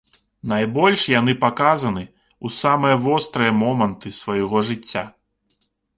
Найбольш яны паказаны ў самыя вострыя моманты свайго жыцця.